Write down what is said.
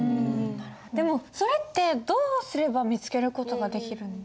でもそれってどうすれば見つける事ができるんですか？